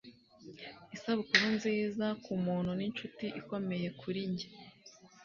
isabukuru nziza kumuntu ninshuti ikomeye kuri njye